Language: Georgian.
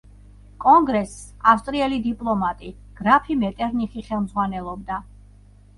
კონგრესს ავსტრიელი დიპლომატი, გრაფი მეტერნიხი ხელმძღვანელობდა.